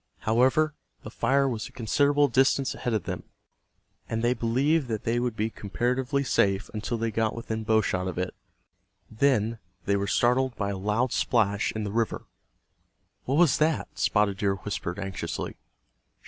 However, the fire was a considerable distance ahead of them, and they believed that they would be comparatively safe until they got within bow shot of it. Then they were startled by a loud splash in the river. "What was that?" Spotted Deer whispered, anxiously.